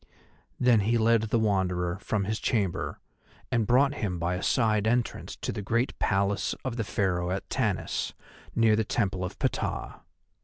Then he led the Wanderer from his chamber and brought him by a side entrance to the great Palace of the Pharaoh at Tanis, near the Temple of Ptah.